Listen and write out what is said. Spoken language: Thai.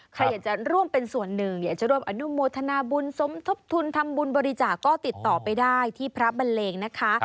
ใครอยากจะร่วมเป็นส่วนหนึ่งอยากจะร่วมอนุโมทนาบุญสมทบทุนทำบุญบริจาคก็ติดต่อไปได้ที่พระบันเลงนะคะ